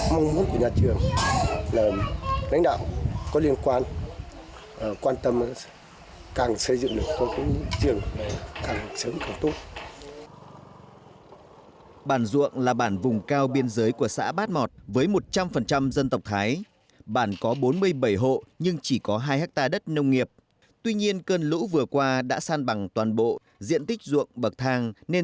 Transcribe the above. mong muốn của nhà trường là lãnh đạo có liên quan quan tâm càng xây dựng được càng sớm càng tốt